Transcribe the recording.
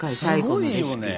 すごいよね。